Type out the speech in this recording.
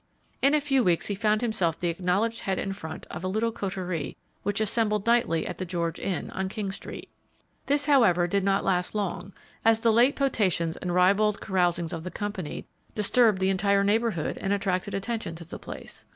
In a few weeks he found himself the acknowledged head and front of a little coterie which assembled nightly at the George Inn, on King street. This, however, did not last long, as the late potations and ribald carousings of the company disturbed the entire neighborhood, and attracted attention to the place.